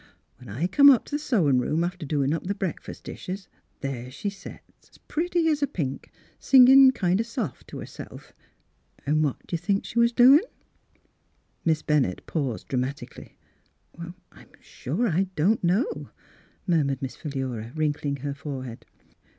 When I come up t' the sewin' room after doin' up the breakfas' dishes, there she set, 's pretty as a pink, singin' kind of soft t' herself. An' what d' you think she was doin' ?" Miss Bennett paused dramatically. " I'm sure I don't know," murmured Miss Philura, wrinkling her forehead.